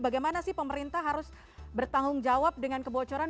bagaimana sih pemerintah harus bertanggung jawab dengan kebocoran